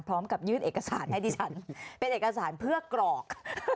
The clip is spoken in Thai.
พร้อมกับยื่นเอกสารให้ดิฉันเป็นเอกสารเพื่อกรอก